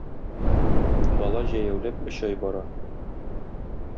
Бала җәяүләп өч ай бара.